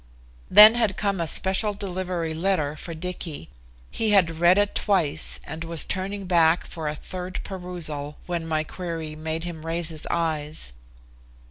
Then had come a special delivery letter for Dicky. He had read it twice, and was turning back for a third perusal when my query made him raise his eyes.